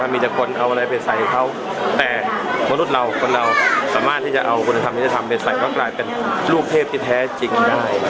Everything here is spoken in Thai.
มีแต่คนเอาอะไรไปใส่เขาแต่มนุษย์เราคนเราสามารถที่จะเอาคุณธรรมยุทธธรรมไปใส่ก็กลายเป็นลูกเทพที่แท้จริงได้